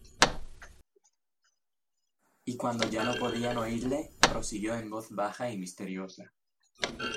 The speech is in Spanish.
y cuando ya no podían oírle, prosiguió en voz baja y misteriosa: